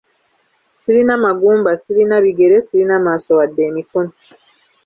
Sirina magumba, sirina bigere, sirina maaso wadde emikono.